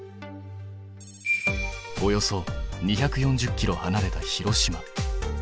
およそ２４０ｋｍはなれた広島。